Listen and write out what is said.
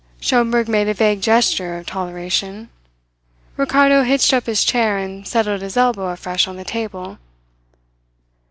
Schomberg made a vague gesture of toleration. Ricardo hitched up his chair and settled his elbow afresh on the table.